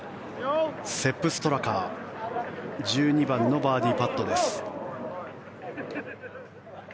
セップ・ストラカ１２番のバーディーパットです。